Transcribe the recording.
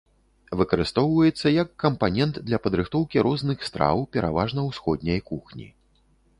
Выкарыстоўваецца як кампанент для падрыхтоўкі розных страў пераважна ўсходняй кухні.